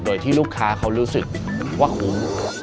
โดยที่ลูกค้าเขารู้สึกว่าคุ้ม